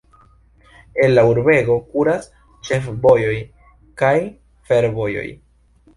El la urbego kuras ĉefvojoj kaj fervojoj.